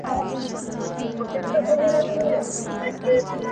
تا پر اوږده ږيره شراب په خرمستۍ توی کړل,